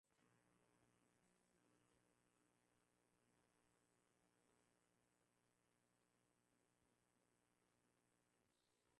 Watu hao walionekana wakimshambulia maswali mmoja wa wanajeshi walioshambuliwa na Jacob